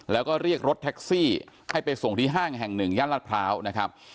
แล้วก็เรียกรถแท็กซี่ให้ไปส่งที่ห้างแห่งหนึ่งย่านรัฐพร้าวนะครับ